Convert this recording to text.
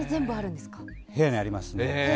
部屋にありますね。